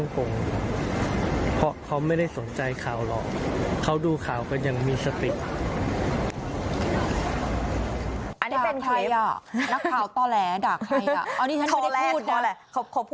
เขาพูดไงเขาพูดเองเออ